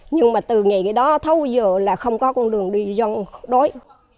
nhưng mà từ ngày đó thâu giờ là không có con đường đi dân đối